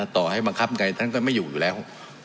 ต่อให้บังคับไงท่านก็ไม่อยู่อยู่แล้ว